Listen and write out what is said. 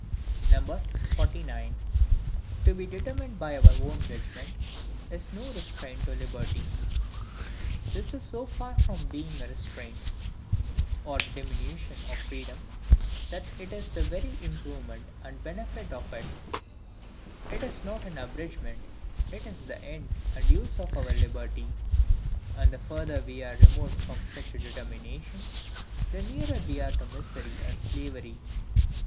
49. To be determined by our own Judgment, is no Restraint to Liberty. This is so far from being a restraint or diminution of freedom, that it is the very improvement and benefit of it; it is not an abridgment, it is the end and use of our liberty; and the further we are removed from such a determination, the nearer we are to misery and slavery.